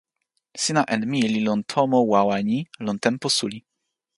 sina en mi li lon tomo wawa ni lon tenpo suli.